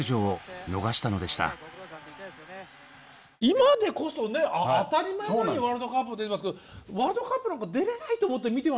今でこそね当たり前のようにワールドカップって言いますけどワールドカップなんか出れないと思って見てましたね。